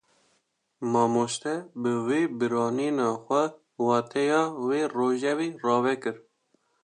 Mamoste, bi vê bîranîna xwe, wateya vê rojevê rave kir